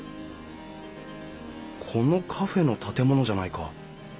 このカフェの建物じゃないか。